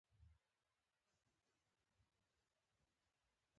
• شنې سترګې د ګلابي او زرغون سیوري سره مشابه ښکاري.